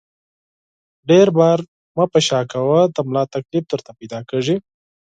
ډېر بار مه په شا کوه ، د ملا تکلیف درته پیدا کېږي!